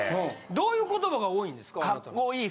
どういう言葉が多いんですか？